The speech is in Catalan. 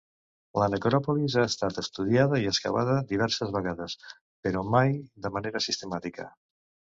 La necròpolis ha estat estudiada i excavada diverses vegades, però mai de manera sistemàtica.